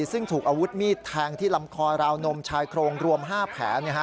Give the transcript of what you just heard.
ซึ่งถูกอาวุธมีดแทงที่ลำคอราวนมชายโครงรวม๕แผล